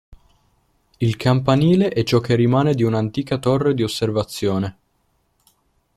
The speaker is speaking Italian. Il campanile è ciò che rimane di una antica torre di osservazione.